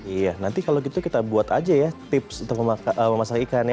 iya nanti kalau gitu kita buat aja ya tips untuk memasak ikan ya